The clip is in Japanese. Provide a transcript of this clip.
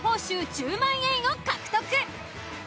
１０万円を獲得！